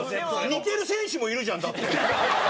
似てる選手もいるじゃんだって。